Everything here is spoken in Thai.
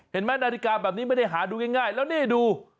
นาฬิกาแบบนี้ไม่ได้หาดูง่ายแล้วนี่ดู